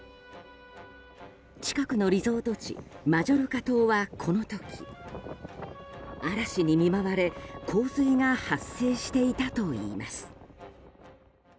近くのリゾート地マジョルカ島は、この時嵐に見舞われ洪水が発生していたといいます。